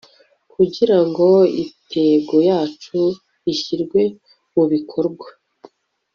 kugira ngo intego yacu ishyirwe mu bikorwa